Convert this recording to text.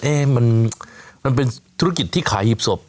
มันเป็นธุรกิจที่ขายหีบศพ